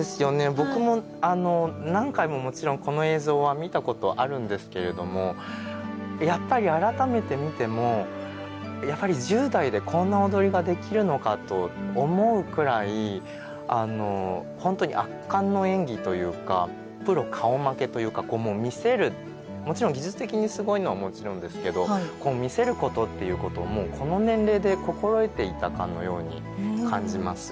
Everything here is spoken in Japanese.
僕もあの何回ももちろんこの映像は見たことあるんですけれどもやっぱり改めて見てもやっぱり１０代でこんな踊りができるのかと思うくらいほんとに圧巻の演技というかプロ顔負けというかこうもう魅せるもちろん技術的にすごいのはもちろんですけどこう魅せることっていうこともこの年齢で心得ていたかのように感じますよね。